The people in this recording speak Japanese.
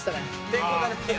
抵抗がない。